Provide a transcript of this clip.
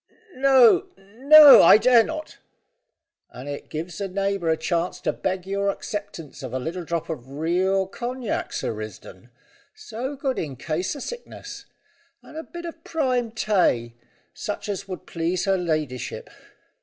"No no, I dare not." "And it gives a neighbour a chance to beg your acceptance of a little drop o' real cognac, Sir Risdon so good in case o' sickness. And a bit of prime tay, such as would please her ladyship.